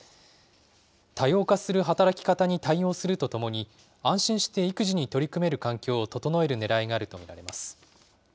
多様化する働き方に対応するとともに、安心して育児に取り組める環境を整えるねらいがあると見られます。